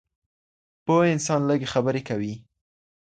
پوه انسان لږې خبرې کوي.